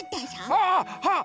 ああっはっ！